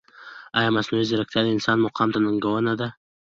ایا مصنوعي ځیرکتیا د انسان مقام ته ننګونه نه ده؟